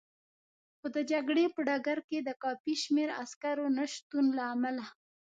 خو د جګړې په ډګر کې د کافي شمېر عسکرو نه شتون له امله.